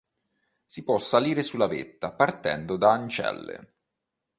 Si può salire sulla vetta partendo da Ancelle.